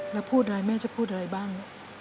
แล้วพูดอะไรแม่จะพูดอะไรบ้าง